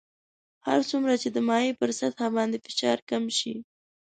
هر څومره چې د مایع پر سطح باندې فشار کم شي.